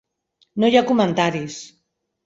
No hi ha comentaris.